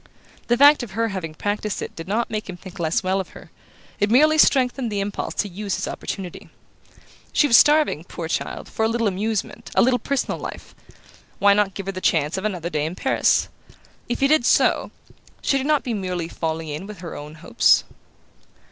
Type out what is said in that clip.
The fact of her having practised it did not make him think less well of her; it merely strengthened the impulse to use his opportunity. She was starving, poor child, for a little amusement, a little personal life why not give her the chance of another day in Paris? If he did so, should he not be merely falling in with her own hopes?